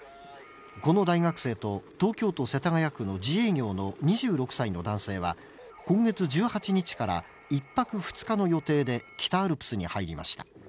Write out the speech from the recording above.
この大学生と東京都世田谷区の自営業の２６歳の男性は、今月１８日から１泊２日の予定で北アルプスに入りました。